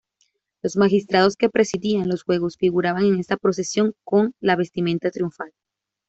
Los magistrados que presidían los juegos figuraban en esta procesión con la vestimenta triunfal.